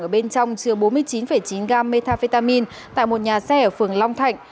ở bên trong chứa bốn mươi chín chín gam metafetamin tại một nhà xe ở phường long thạnh